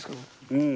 うん。